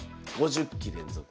５０期連続。